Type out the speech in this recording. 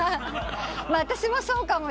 私もそうかも。